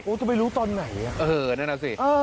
โอ้จะไปรู้ตอนไหนอ่ะเออแน่นอนสิอ่า